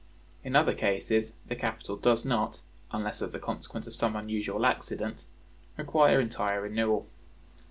In other cases the capital does not, unless as a consequence of some unusual accident, require entire renewal.